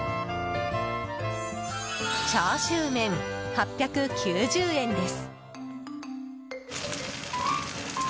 チャーシューメン、８９０円です。